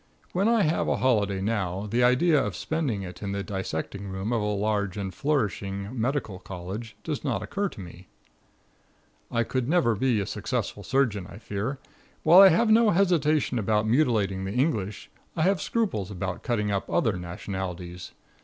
When I have a holiday now, the idea of spending it in the dissecting room of a large and flourishing medical college does not occur to me. I never could be a successful surgeon, I fear. While I have no hesitation about mutilating the English, I have scruples about cutting up other nationalities.